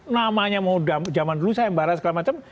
namanya mau zaman dulu saya embara segala macam